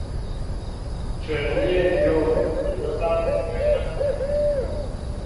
Chwela muyende yobe nvula yo bamba unywena.